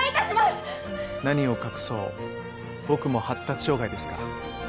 何を隠そう僕も発達障害ですから。